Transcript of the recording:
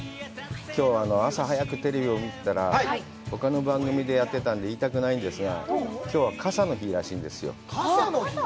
きょう朝早くテレビを見てたら、ほかの番組でやってたんで、言いたくないんですが、きょうは傘の日らしいんですよ。